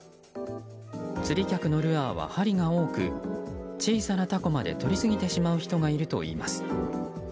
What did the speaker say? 釣り客のルアーは針が多く小さなタコまでとりすぎてしまう人がいるといいます。